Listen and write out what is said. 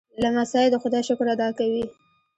لمسی د خدای شکر ادا کوي.